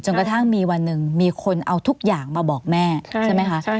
กระทั่งมีวันหนึ่งมีคนเอาทุกอย่างมาบอกแม่ใช่ไหมคะ